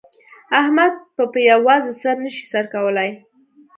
احمد په په یوازې سر نه شي سر کولای.